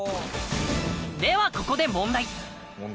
ではここで問題。